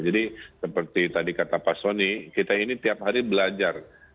jadi seperti tadi kata pak soni kita ini tiap hari belajar